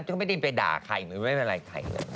จะพูดไม่๖๔๓ไปด่าใครไม่เป็นไรใครเลย